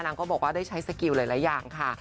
ก็บอกว่าได้ใช้สกิลหลายอย่างค่ะ